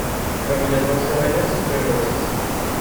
Ramillas más jóvenes verdosas.